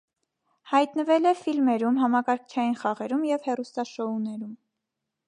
Հայտնվել է ֆիլմերում, համակարգչային խաղերում և հեռուստաշոուներում։